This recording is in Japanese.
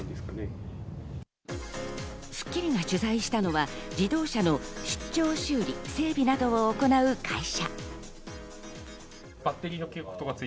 『スッキリ』が取材したのは、自動車の出張修理・整備などを行う会社。